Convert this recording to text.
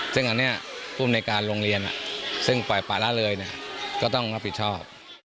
ซึ่งอันนี้ภูมิในการโรงเรียนซึ่งปล่อยป่าละเลยก็ต้องรับผิดชอบ